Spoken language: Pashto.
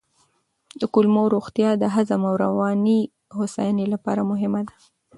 د کولمو روغتیا د هضم او رواني هوساینې لپاره مهمه ده.